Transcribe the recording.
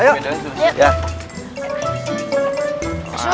iya juara satu